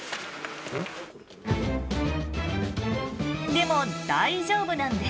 でも大丈夫なんです。